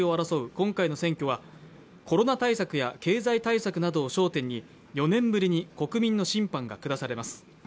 今回の選挙は、コロナ対策や経済対策などを焦点に４年ぶりに国民の審判が下されます。